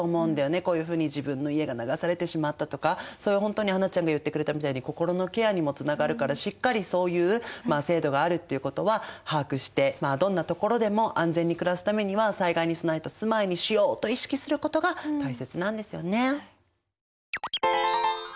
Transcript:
こういうふうに自分の家が流されてしまったとかそういう本当に英ちゃんが言ってくれたみたいに心のケアにもつながるからしっかりそういう制度があるっていうことは把握してどんなところでも安全に暮らすためには災害に備えた住まいにしようと意識することが大切なんですよね。